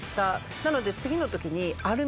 なので次の時に。